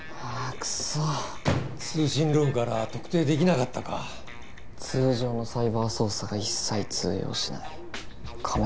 クソッ通信ログから特定できなかったか通常のサイバー捜査が一切通用しない仮面